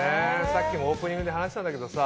さっきもオープニングで話したんだけどさ